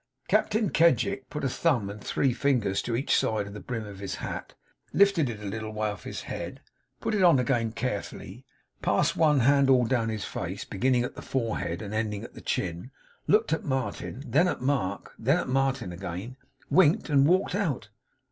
Captain Kedgick put a thumb and three fingers to each side of the brim of his hat; lifted it a little way off his head; put it on again carefully; passed one hand all down his face, beginning at the forehead and ending at the chin; looked at Martin; then at Mark; then at Martin again; winked, and walked out.